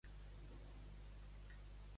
Qui et canta la cobla, eixe te la pega.